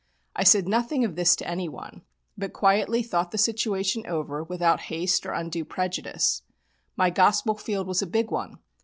I said nothing of this to anyone, but quietly thought the situation over without haste or undue prejudice. My Gospel field was a big one.